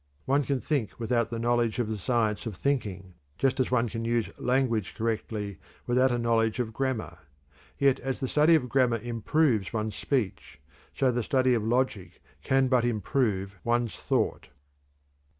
One can think without the knowledge of the science of thinking just as one can use language correctly without a knowledge of grammar; yet as the study of grammar improves one's speech, so the study of logic can but improve one's thought."